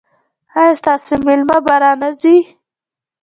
ایا ستاسو میلمه به را نه ځي؟